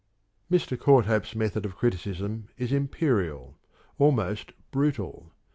Mr. CoTirthope's method of criticism is imperial, almost brutal.